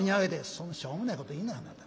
「そんなしょうもないこと言いなはんなあんた。